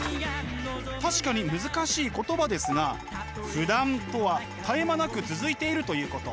確かに難しい言葉ですが不断とは絶え間なく続いているということ。